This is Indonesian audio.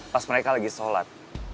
pas mereka lagi sholat